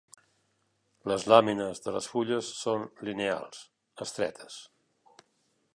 Les làmines de les fulles són lineals; estretes.